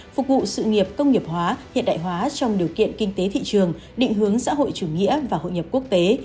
phục vụ sự nghiệp công nghiệp hóa hiện đại hóa trong điều kiện kinh tế thị trường định hướng xã hội chủ nghĩa và hội nhập quốc tế